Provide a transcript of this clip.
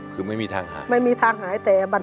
คือไม่มีทางหาย